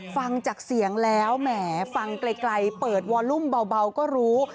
ฟังจากเสียงแล้วแหมฟังไกลเปิดวอลุ่มเบาก็รู้